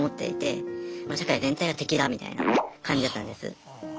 社会全体が敵だみたいな感じだったんです。